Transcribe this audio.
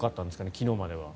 昨日までは。